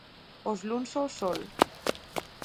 Os luns ao sol?